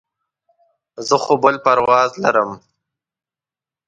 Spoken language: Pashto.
زه خو بل پرواز لرم.